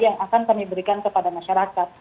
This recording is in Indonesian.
yang akan kami berikan kepada masyarakat